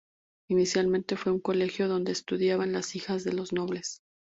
Inicialmente fue un colegio donde estudiaban las hijas de los nobles.